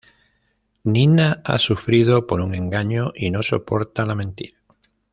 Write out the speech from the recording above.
Nina ha sufrido por un engaño y no soporta la mentira.